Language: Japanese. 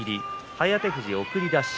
颯富士、送り出し。